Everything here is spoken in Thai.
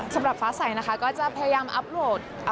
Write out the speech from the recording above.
สำหรับฟ้าใสนะคะก็จะพยายามอัพโหลด